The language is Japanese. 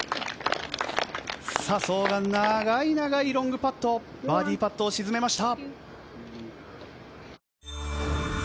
笹生が長い長いロングパットバーディーパットを沈めました。